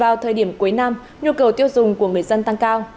vào thời điểm cuối năm nhu cầu tiêu dùng của người dân tăng cao